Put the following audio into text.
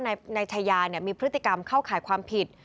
นายชายามีพฤติกรรมเข้าข่ายความผิด